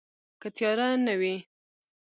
که تیاره نه وي